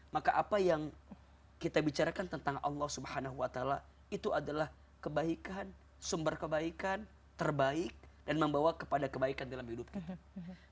maka apa yang kita bicarakan tentang allah swt itu adalah kebaikan sumber kebaikan terbaik dan membawa kepada kebaikan dalam hidup kita